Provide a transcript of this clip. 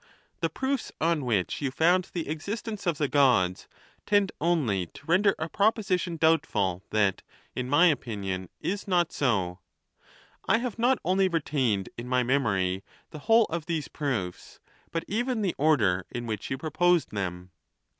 The proofs on which you found the existence of the Gods tend only to render a proposition doubtful that, in my opinion, is not so ; I have not only retained in my memory the whole of these proofs, but even the order in which you proposed them.